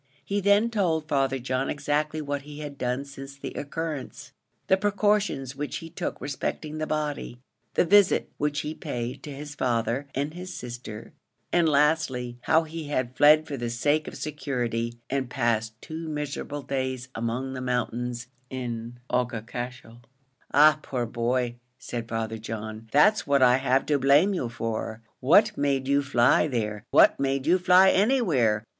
He then told Father John exactly what he had done since the occurrence, the precautions which he took respecting the body the visit which he paid to his father and his sister, and lastly, how he had fled for the sake of security, and passed two miserable days among the mountains in Aughacashel. "Ah! my poor boy," said Father John, "that's what I have to blame you for. What made you fly there? what made you fly anywhere?